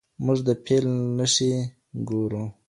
موږ د فیل نښې ګورو.